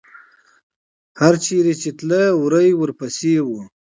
هر چېرې چې تله، وری ورپسې و.